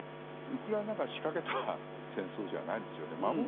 ウクライナが仕掛けた戦争じゃないんですよね。